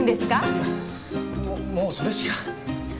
いやもっもうそれしか。